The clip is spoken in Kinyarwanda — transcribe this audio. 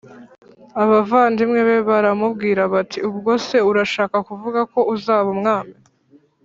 Abavandimwe be baramubwira bati ubwo se urashaka kuvuga ko uzaba umwami